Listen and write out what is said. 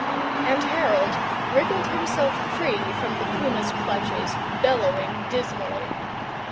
And Harold wriggled himself free from the puma's clutches, bellowing dismally.